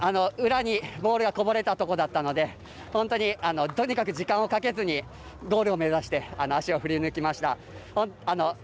ボールがこぼれたところで本当にとにかく時間をかけずにゴールを目指して足を振り抜きました。